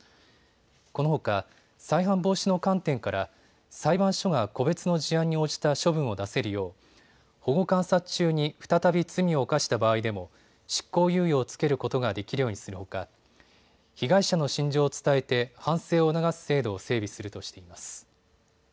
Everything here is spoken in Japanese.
このほか、再犯防止の観点から裁判所が個別の事案に応じた処分を出せるよう保護観察中に再び罪を犯した場合でも執行猶予を付けることができるようにするほか被害者の心情を伝えて反省を促す制度を整備するとしています。